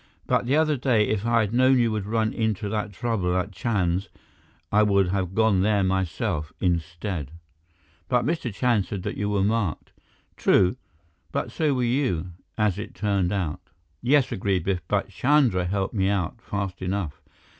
"But the other day, if I had known you would run into that trouble at Chand's, I would have gone there myself, instead." "But Mr. Chand said that you were marked." "True. But so were you, as it turned out." "Yes," agreed Biff, "but Chandra helped me out fast enough.